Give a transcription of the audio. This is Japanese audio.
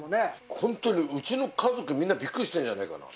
ほんとに、うちの家族、みんな、びっくりしてんじゃねぇかな、多分。